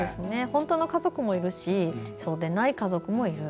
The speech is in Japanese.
本当の家族もいるしそうでない家族もいる。